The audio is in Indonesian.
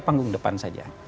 panggung depan saja